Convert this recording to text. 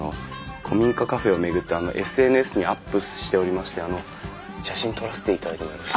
古民家カフェを巡ってＳＮＳにアップしておりましてあの写真撮らせていただいてもよろしいですか？